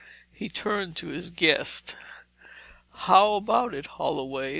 He turned to his guest. "How about it, Holloway?